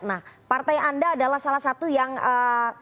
nah partai anda adalah salah satu yang setuju bahwa